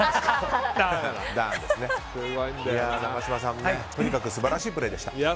永島さんとにかく素晴らしいプレーでした。